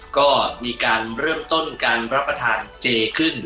ก็มีการเริ่มต้นการรับประทานเจขึ้น